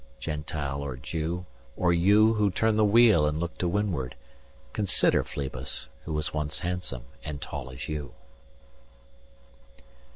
Gentile or Jew O you who turn the wheel and look to windward, 320 Consider Phlebas, who was once handsome and tall as you.